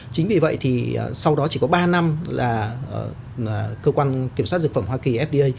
chính vì vậy thì sau đó chỉ có ba năm là cơ quan kiểm soát dược phẩm hoa kỳ fda